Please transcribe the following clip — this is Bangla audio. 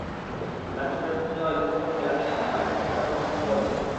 লাশটি প্রায় পচে যাওয়ায় দুর্গন্ধ পেয়ে বাড়ির বাসিন্দারা পুলিশকে খবর দেন।